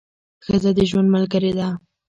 ښځه د ژوند ملګرې ده.